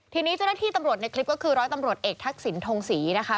ทีนี้เจ้าหน้าที่ตำรวจในคลิปก็คือร้อยตำรวจเอกทักษิณทงศรีนะคะ